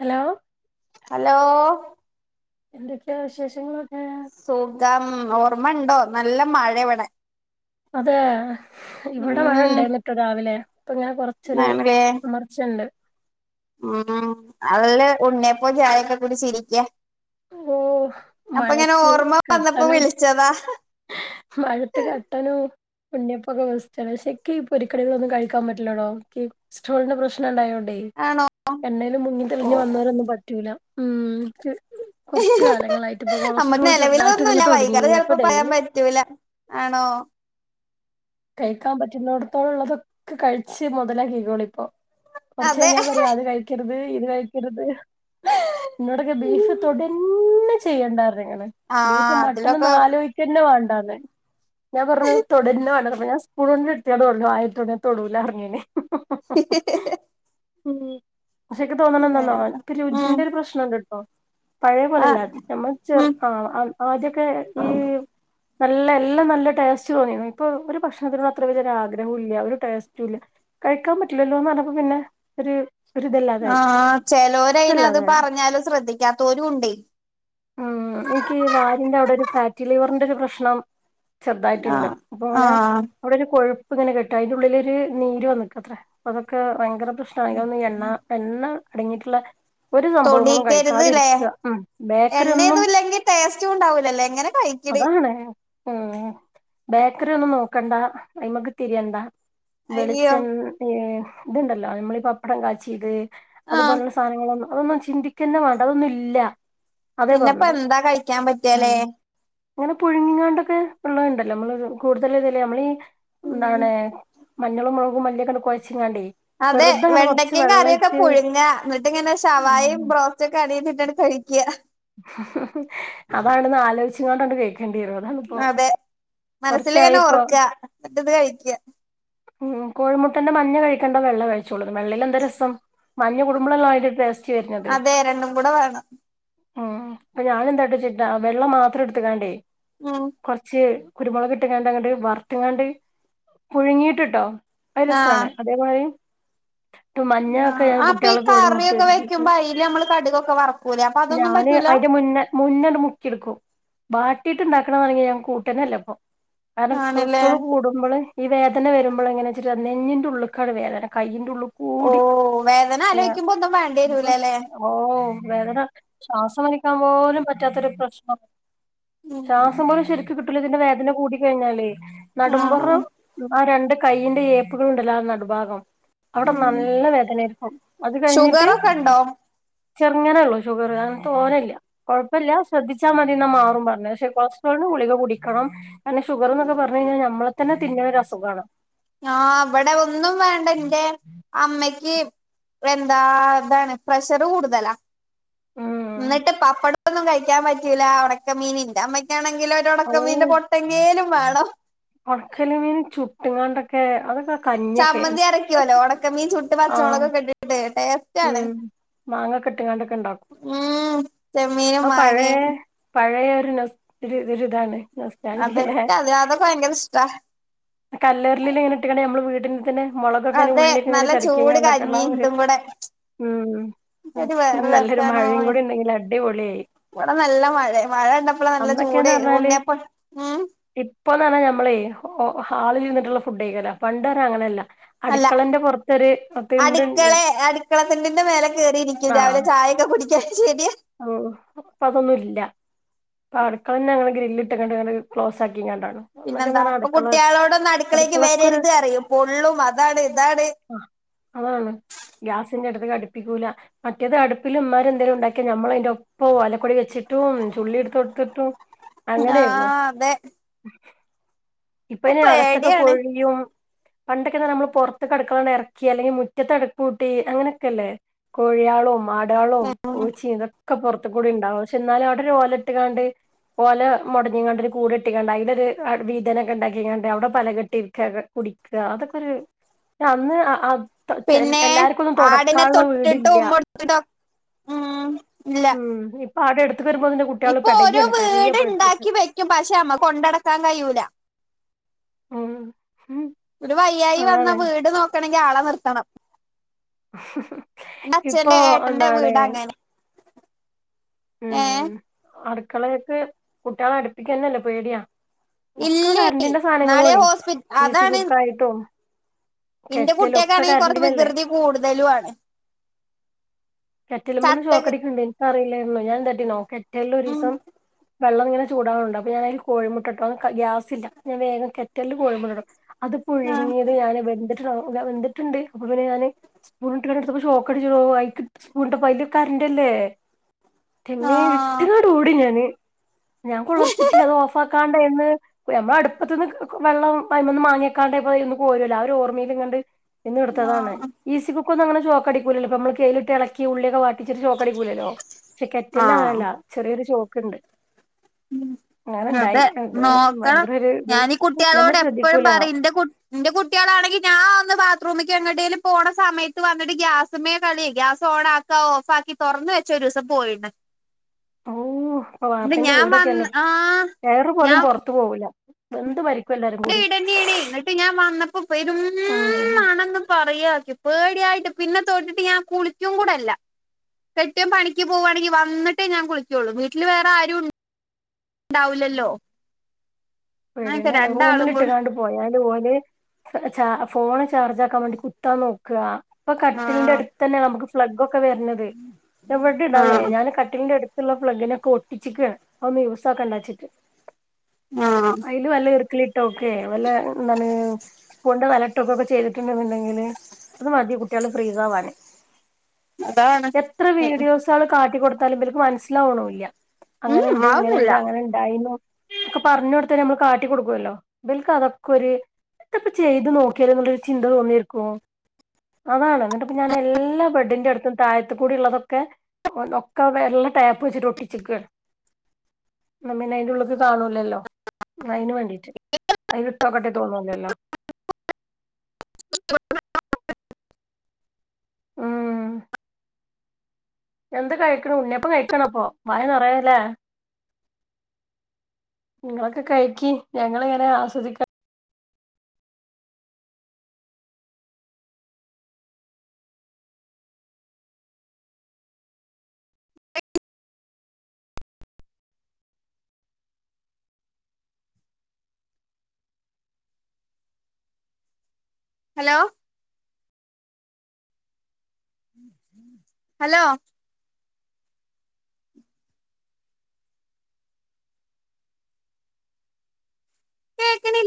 Hello hello എന്തൊക്കെയ വിശേഷങ്ങളൊക്കെ സുഖം ഓർമ്മണ്ടോ നല്ല മഴെവെടെ അതെ ഇവിടെ മഴ ഉം ഉണ്ടയ്ന്നിട്ടൊ രാവിലെ ഇപ്പൊ ഇങ്ങനെ കൊറച്ചൊരു ആണല്ലേ വിമർച്ചയുണ്ട്. ഉം നല്ല ഉണ്ണിയപ്പോം ചായൊക്കെ കുടിച്ചിരിക്ക്യ ഓ അപ്പൊങ്ങനെ മഴത്ത് ഓർമ്മ വന്നപ്പോ കട്ടനും വിളിച്ചതാ മഴത്ത് കട്ടനോ ഉണ്യപ്പൊക്കെ വേസ്റ്റാണ് പക്ഷെ ഇക്കി പൊരിക്കടിളൊന്നും കഴിക്കാൻ പറ്റില്ലെടോ കൊളെസ്ട്രോളിന്റെ പ്രശ്നം ഉണ്ടായോ ണ്ടെ ആണോ എണ്ണേല് മുങ്ങി ഓ തെളിഞ്ഞ് വന്നോരൊന്നും പറ്റൂല മ് കൊറച്ച് കാലങ്ങളായിട്ട് ഇപ്പൊ നമ്മക്ക് കൊളസ്ട്രോൾ ചെറുതായിട്ട്ങ്ങനെ നിലവിലതൊന്നുല്ല വൈകാതെ തൊടങ്ങിക്ണു അപ്പൊ ചെലപ്പോ പറയാൻ ഡെയിലി പറ്റൂല ആണോ കഴിക്കാൻ പറ്റുന്നിടത്തോളം ഉള്ളതൊക്കെ കഴിച്ച് മൊതലാക്കിക്കോളി ഇപ്പോ കൊറച്ച് അതെ കഴിഞ്ഞാ പറയും അത് കഴിക്കരു ത് ഇത് കഴിക്കരുത് ഇന്നോടൊക്കെ ബീഫ് തൊടന്നെ ചെയ്യണ്ടാറഞ്ഞ് ആഹ് ബീഫും അതിലൊക്കെ മട്ടനൊന്നും ആലോയ്ക്കന്നെ വേണ്ടാന്ന് ഞാൻ പറഞ്ഞു തൊടന്നേ വേണ്ട ഞാൻ സ്പൂണൊണ്ട് എടുതോണ്ട് പറഞ്ഞു ആയിട്ടോ തൊടൂലന്ന് പറഞ്ഞു ഞാന് ഹി ഹി ഉം പക്ഷെ ഇക്ക് തോന്നണതെന്താന്നോ ഇക്ക് ഉം രുചിന്റെ ഒരു പ്രശ്നംണ്ട്ട്ടോ പഴയ പോലെല്ല ആഹ് നമ്മള് ഉം ചെറുപ്പം ആ ആദ്യൊക്കെ ഈ നല്ല എല്ലാം നല്ല ടേസ്റ്റ് തോന്നിന്നു. ഇപ്പൊ ഒരു ഭക്ഷണത്തിനും അത്ര വല്ല്യ ഒരു ആഗ്രഹവോല്ല ഒരു ടേസ്റ്റുല്ല. കഴിക്കാൻ പറ്റില്ലല്ലോന്ന് പറഞ്ഞപ്പോ പിന്നെ ഒരു ഒരു ആ ഇതല്ലാതായി ചെലോരയിന് അത് ഇഷ്ടമല്ലാതായി പറഞ്ഞാലും ശ്രദ്ധിക്കാത്തോരുണ്ടെ. ഉം എനിക്കി വാര്യന്റെ അവിടെ ഒരു ഫാറ്റി ലിവറിന്റൊരു പ്രശ്നം ചെർതായിട്ട്ണ്ട് ആഹ് അപ്പങ്ങനെ ആഹ് അവിടെ ഒരു കൊഴുപ്പ പ്പ്ങ്ങനെ കെട്ടും അയ്ന്റെുള്ളിലൊരു നീരുവന്ന്കാത്രേ അതൊക്കെ ഭയങ്ക പ്രഷ്ന എണ്ണ എണ്ണ അടങ്ങിട്ട്ള്ള ഒരു സംഭവങ്ങളും തൊടീക്കരുത് ല്ലേ കഴിക്കാതിരിക്ക മ് ബേക്കറി ഒന്നും എണ്ണയൊന്നും ഇല്ലെങ്കി ടേസ്റ്റും ഉണ്ടാവൂലല്ലേ എങ്ങനെ കഴിക്കണ് അതാണ് ലെ ഏ ബേക്കറി ഒന്നും നോക്കണ്ട അയ്മക്ക് തിരിയണ്ട അയ്യോ വെളിച്ചെ ഏ ഇത്ണ്ടല്ലോ നമ്മളീ പപ്പടം കാച്ചീത് ആഹ് അതുപോലെള്ള സാനങ്ങളൊന്നും അതൊന്നും ചിന്തിക്കന്നെ വേണ്ട അതൊന്നും ഇല്ല അതേ പിന്നെപ്പ പറഞ്ഞത് എന്താ കഴിക്കാൻ പറ്റാലേ ഇങ്ങനെ പുഴുങ്ങിങ്ങാണ്ടൊക്കെ ഇള്ളത്ണ്ടല്ലോ നമ്മള് കൂടുതല് ഇതല്ല നമ്മളീ ഉം എന്താണ് മഞ്ഞളും മൊളകും മല്ലിക്കെങ്ങട് കൊഴച്ച്ങ്ങാണ്ടേ അതെ വെണ്ടക്കേം കറിയൊക്കെ പുഴുങ്ങ ന്നട്ട്ങ്ങനെ ശവായേം ബ്രോസ്റ്റൊക്കെ അടീന്ന് ങ്ങട് കഴിക്ക അതാണെന്ന്അവിടെന്ന് ആലോചിച്ചൊണ്ട് കൈകേണ്ടിവരും. അതെ. മനസ്സിൽ ഇങ്ങനെ ഓർക്കാ ഇങ്ങട്ട് ഇത് കഴിക്ക. ഉ. കോഴിമുട്ടന്റെ മഞ്ഞ കഴിക്കേണ്ട വെള്ള കഴിച്ചോള്ളൂ, വെള്ളൽ എന്താ രസം. മഞ്ഞ കുടുംബളെല്ലാം അയ്ന്റെ, ടേസ്റ്റ് വരുന്നത്. അതെ രണ്ടും കൂടെ വേണം ഉ. അപ്പൊ ഞാനെന്തായിട്ട് ചിട്ടാ വെള്ളം മാത്രം എടുത്തക്കാണ്ടേ ഉം കൊറച്ച് കുരുമുളക് ഇട്ടങ്ങാണ്ട്. വറുത്താണ്ട് പുഴുങ്ങി ട്ട് ട്ടോ. ആഹ് അരസാണ്. അതേമാതി. മഞ്ഞൊക്കെ ആഹ് ഞൻ അപ്പൊ ഈ കുട്ടിളെ കറിയൊക്കെ കോഴിമുട്ടിയെടുത്തു തിന്നും വെക്കുമ്പോ അയില് നമ്മള് കടുകൊക്കെ വറക്കൂലേ അപ്പൊ അതൊന്നും ഞാന് പറ്റൂല അയ്ന്റെ, മുന്നെ മുന്നെണ്ട്മുക്കിയെടുക്കും. ബാട്ടിയിട്ട്ണ്ടാക്കണ വണെങ്കിൽ ഞാൻ കൂട്ടനെല്ലേ പ്പം. കാരണം ആണല്ലേ കൊളസ്ട്രോൾ കൂടുമ്പോള് വേദന വരുമ്പോൾ എങ്ങനെച്ചി നെഞ്ഞിന്റെറ ഉള്ക്കാണ്‌വേദന, കയ് ഉള് ഓ കൂടി, വേദന ചെയ്യ, ആലോചിക്കുമ്പോ ഒന്നും വേണ്ടി വരൂലല്ലേ ഓ വേദന ശ്വാസം വലിക്കാൻ പോലും പറ്റാത്തൊരു പ്രശ്നം. ശ്വാസം പോലും ശരിക്ക്, കിട്ടൂല ഇതിന്റെ വേദന കൂട കഴിഞ്ഞാലേ, ആഹ് നടുമ്പറം ആ, രണ്ട് കൈയിന്റെ ഏപ്പുകളൾുണ്ടല്ലോ ആ നടുഭാഗം അവിടെ ഉം നല്ല വേദനയിരിക്കും. അത് കഴിഞ്ഞിട്ട് ഷുഗറൊക്കെ ഉണ്ടോ ചെറങ്ങനേള്ളൂഷുഗർഅങ്ങനെതോന്നല്ല കുഴപ്പില്ലല്ല ശ്രദ്ധിച്ചാൽ മതിന്നാ മാറും പറഞ്ഞേ. പക്ഷെ കൊളസ്ട്രോളിന് ഗുളിക കുടിക്കണം പിന്നെ ഷുഗർഎന്നക്കെ പറഞ്ഞു കഴിഞ്ഞാൽ. നമ്മളെ തന്നെ തിന്നുന്ന ഒരു അസുഖമാണ്. ആ അവിടെ ഒന്നും വേണ്ട എന്റെ അമ്മ എന്താ.. ഇതാണ് പ്രഷറ്കൂടുതലാ, ഉം എന്നിട്ട് പപ്പട ഇതൊന്നും കഴിക്കാൻ പറ്റില്ല ണക്ക മീന് ന്റ, അമ്മ കാണങ്കി ഓ രണക്ക മീനിന്റെ പൊട്ടങ്കേലും വേണം. എ ണ്ടൊക്കെ. അതൊക്കെ. കഞ്ഞിയൊക്കെ ചമ്മന്തി അരക്കുവല്ലോ? ഉണക്ക മീൻ ചുട്ട് ആഹ് പച്ചമുളക് ഒക്കെ ഇട്ടിട്ട് ടേസ്റ്റ് ആണ്. ഉം മാങ്ങൊക്കെ ഇട്ട്ങ്ങാണ്ട്ക്കെ ഇണ്ടാക്കും. ഉം ചെമ്മീനും ആ പയ മാങ്ങയും പ പഴയൊരു ഇതില് ഇതാണ് അത് സ്ജില്ലേ അതെ അതൊക്കെ ഭയങ്കര ഇഷ്ടാ കല്ലറില എങ്ങനെ ഇട്ട്ണ് നമ്മള് വീ പിന്നെ. മുളകൊക്കെെ അതെ ഉള്ളി ഇങ്ങനെ നല്ല ചൂട് ചെതിക്കിയാണ്ട്ക്കെള്ള കഞ്ഞി ഒരു. ഇതും കൂടെ ഉ ഒരു വേറെ നല്ലൊരു രസാണോ മഴയും കൂടി, ഇണ്ടങ്കില്, അടിപ്പെളിയായി. ഇവിടെ നല്ല, മഴ മഴ ഉണ്ടപ്പോനല്ല അന്നൊക്കെന്ന് ചൂടയിനി പറഞ്ഞാല് ഉണ്ണിയപ്പൊ ഉം ഇപ്പൊന്ന്, നമ്മള് ഹാളിൽ നിന്നിട്ടുള്ള ഫുഡ് കയിക്കല പണ്ടെന്ന്അങ്ങനെയല്ല. അല്ല അടുക്കളന്റെ പുറത്തൊരു ത്തിണ്ട്ണ്ട്. [unintelligible] മേലെകയറിയിരിക്കും രാവിലെ ചായൊക്കെ കുടിക്കാന്. ഓ ഇപ്പംപ്പൊഅതൊന്നും ഇല്ല ഇൊ അടുക്കള തന്നെ അങ്ങനെ ഗ്രില്ല ഇട്ട് കണ്ട്െ ക്ലോസ് ആക്കി പിന്നെന്താ. ഇപ്പൊ കുട്ടികളോടൊന്നും അടുക്കളേക്ക് അടുക്കളക്കൊരു വരരുത് അറിയും പൊള്ളും അതാണ് ഇതാണ്. ആ. ഗ്യാസിന്റെ അടുത്ത് അടുപ്പിക്കൂല മറ്റേത് അടുപ്പിലും ഉമാർ എന്തേലും ഉണ്ടാക്കി ഒക്കെ നമ്മളതിന്റെ ഒപ്പവും അലക്കൊടി വെച്ചിട്ടും ചുള്ളി എടുത്ത്ടുത്തിട്ടും. അങ്ങനെയരുന്നു. ആഹ് അതെ ഇപ്പ ഇപ്പൊ അയ്ൻ അകത്തൊക്കെ പേടിയാണ് കോഴിയും. പണ്ടൊക്കെ. നമ്മള് പുറത്തടക്കള ഇറക്കി, അല്ലെങ്കിൽ മുറ്റത്ത് അടുപ്പ് കൂട്ടി അങ്ങനെയൊക്കെല്ലേ. കോഴിയാളും ആടാളും പൂച്ചി ഇതൊ ഒക്കെ പുറത്ത കൂടി ഉണ്ടാവും പക്ഷെ എന്നാലും അവിടെ ഓലട്ടാണ്ട് ഓലെമുടഞ്ഞങ്ണ്ടൊരു. കൂട്ഇട്ടിക്കണ്ട അയല ഒരു വീതനൊക്കെ, ഉണ്ടാക്കിണ്ട അവിടെ പല ഇട്ട് രിക്കാ. കുടിക്ക അതൊക്കെരു അന്ന് അ ചെ. പിന്നെ എല്ലാർകെന്നും ആടിനെ തുടക്കാള്ള തൊട്ടിട്ടും വീടില്ല. ഉമ്മൊടുത്തിട്ടും ഉം ഇല്ല ഉം ഇപ്പൊ അടെടു [unintelligible] ഇപ്പൊ ഓരോ കുട്ടിയ്പ്പെടയാണ്, വീട് കരയാണ്. ഇണ്ടാക്കി വെക്കും പക്ഷെ നമ്മക്ക് കൊണ്ടടക്കാൻ കഴിയൂല ആം ഒരു വയ്യായി വന്ന. വീട് നോക്കണമെങ്കി ആളെ നിർത്തണം. ന്റെ, ഇപ്പൊ അച്ഛന്റെഏട്ടന്റെ എന്താണ് വീടങ്ങനെ. ഏ ക്കളെയൊക്കെ കുട്ടികളെ അട്പ്പിക്കെന്നല്ല പേടിയാ ഒക്ക ഇല്ലേ കറന്റിന്റെ നാളെ സാനങ്ങളോണേ ഹോസ്പി ഈസി അതാണ് കുക്കായിട്ടും ഇന്റെ കെറ്റലും ഒക്കെ കുട്ടിയെക്കാണെങ്കിൽ കൊറ കറണ്ടിനല്ലേ വികൃതി കൂടുതലുആണ് കെറ്റല്മേന്ന് ഷോക്കടിക്ക്ണ്ട് അറീലായിരുന്നു ഞാൻന്താട്ടിന്നൊ കെറ്റല്ല് ഉം ഒരീസം വെള്ളം ഇങ്ങനെചൂടാവ്ണ് ണ്ട് അപ്പ ഞാനയിൽ കോഴിമുട്ടട്ടു അ ഗ്യാസില്ല ഞാൻ വേഗം കെറ്റല്ല് കോഴിമുട അത് ആ പുഴുങ്ങിയത് ഞാന് വെൻ വെന്തിട്ടുണ്ട്. അപ്പൊ പിന്നെ ഞാൻ സ്പൂൺ ഇട്ട് എടുത്തപ്പോൾ ഷോക്ക് അടിച്ചേടോ സ്പൂണിട്ടപ്പ അയ്ല് കറണ്ടല്ലേ ആ തിമ്മേ ഇട്ട് ക്കാണ്ട് ഓടി ഞാന് ഞാൻ കുളിർത്തിട്ടില്ല അത് ഓഫാക്കാണ്ട എന്ന് പ്പ നമ്മളെ അട്പ്പത്തിന്ന് വെള്ളം അയ്മന്ന്മാങ്ങിക്കാണ്ട് [unintelligible] പോരുല്ലല്ലോ ആ ഒരു ഓർമ്മയിൽ ഇങ്ങണ്ട് ഇന്ന് ആ ഇട്ത്തതാണ് ഈസി കുക്കൊന്നും അങ്ങെനെ ഷോക്കടിക്കൂലല്ലോ ഇപ്പ നമ്മള് കെയ്ലിട്ട് ഏളക്കി ഉള്ളിയൊക്കെ വാ ഇച്ചര് ഷോക്കടിക്കൂലല്ലോ ക്ഷെ ആ കെറ്റല്ല് അങ്ങനല്ല ചെറിയൊരു ഷോക്ക് ണ്ട് [unintelligible] നോക്കാം ഭയങ്കര ഒരു ഇത് ഞാനി നമ്മള് കുട്ടികളോട് എപ്പഴും ശ്രദ്ധിക്കൂല പറയുംന്റെ ന്റെ കുട്ടികളാണെങ്കി ഞാ ഒന്ന് ബാത്റൂമി ച്ച് എങേട്ടേലും പോണ സമയത്ത് വന്നിട്ട് ഗ്യാസ്‌മ്മേ കളി ഗ്യാസ് ഓണാക്കാ ഓഫാക്കി തോറന്ന് വെച്ചൊരീസം പ്പോയിണ് ഓ പ്പ വാപ്പിന്റെ വീടൊക്കാണ് വന്ന് ആഹ് ഏറ് പോലും പോറ്ത്തു പോകും എന്ത് ഭ ന്റെ വീടന്നെണേ നെട്ട് ഞാൻ വന്നപ്പോ പെരും ഉം മണന്ന് പറയാകി പേരും യിട്ട് പിന്നെ തോറ്റിട്ട് ഞാൻ കുളിക്കും കൂടെല്ല കെട്ടിയോൻ പണിക്ക് പോവാണെങ്കി വന്നിട്ടേ ഞാൻ കുളിക്കോള്ളൂ വീട്ടില് വേറെ ആരു ണ്ടാവില്ലല്ലോ പേടന്നെ റൂമിലിട്ട്കാണ്ട് പോയാല് ഓലെ ചാ ഫോൺ ചാർജാക്കാൻ വേണ്ടി കുത്താൻ നോക്കാ ഇപ്പ കട്ടിലിന്റെ ആഹ് ഏട്ത്തന്നെ നമുക്ക് ഫ്ളഗും ക്കെ വര്നത് ആഹ് [unintelligible] ഞന് കട്ടിലിന്റെടു ള്ള ഫ്ലഗ് നൊക്കെ ഒട്ടിച്ചിക്കാണ് അഹ് ന്ന് യൂസാക്കണ്ടച്ചിട്ട് ആഹ് [unintelligible] ക്ക്‌ളിട്ടോക്കെ വല്ല എന്താണ് സ്പൂന്റെ വെലട്ടോക്ക ക്കെ ചെയ്തിട്ട്ന്ന്ണ്ടെങ്കില് അത് മതി കുട്ടികള് ഫ്രീസാവാന് അതാണ് എത്ര വീഡിയോസാള് കാട്ടിക്കൊട്ത്താലും ഇവർക്ക് മനസ്സിലാവ്ണുല്ല ഉം അങ്ങനെണ്ട് അതൊന്നുല്ല ഇങ്ങനെണ്ട് അങ്ങനെ ണ്ടായിനു പറഞ്ഞോട്ത്താ നമ്മള് കാട്ടിക്കോട്ക്കുലല്ലോ ബൽക്കതൊക്കോര് ഏത്താപ്പ ചെയ്ത് നോക്കിയാല് ന്നൊര് ചിന്ത തോന്നിരിക്കും അതാണ് എന്നിട്ട് പ്പ ഞാൻ എല്ലാ ബെഡിന്റെട്ത്തും താഴത്ത് കൂടി ള്ളതൊക്കെ ഒക്കെ വെള്ള ട്ടാപ്പെച്ച്ട്ട് ഒട്ടിചെക്കാണ് ന്നാപിന്നെ അയ്ന്റെ ഉള്ള്ക്ക് കാണൂല്ലല്ലോ അയിന് വേണ്ടീട്ട് അയ്ല് ഇട്ടോക്കട്ടെ തോന്നുല്ലോല്ലോ ഉം എന്ത് കഴിക്ണ് ഉണ്ണിയപ്പം കഴിക്കാണ് പ്പൊ വായന്നറയല്ലേ നിങ്ങളൊക്കെ കഴക്കി ഞങ്ങളിങ്ങനെ ആസ്വദിക്ക ഹലോ ഹലോ കെക്ക്ണി